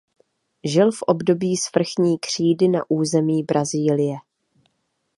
Žil v období svrchní křídy na území Brazílie.